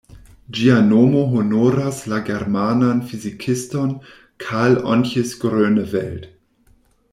Ĝia nomo honoras la germanan fizikiston "Karl-Ontjes Groeneveld".